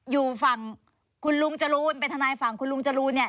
อยู่ฝั่งคุณลุงจรูนเป็นทนายฝั่งคุณลุงจรูนเนี่ย